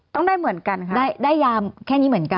ต้องได้เหมือนกันค่ะได้ยามแค่นี้เหมือนกัน